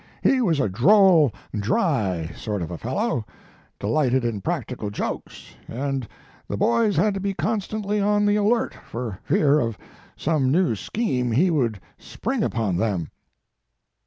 He was a droll, dry sort of a fellow, delighted in practical jokes, and the boys had to be constantly on the alert for fear of some new scheme he would spring upon them."